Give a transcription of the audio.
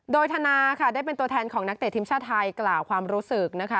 โดยธนาค่ะได้เป็นตัวแทนของนักเตะทีมชาติไทยกล่าวความรู้สึกนะคะ